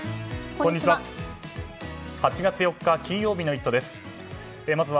こんにちは。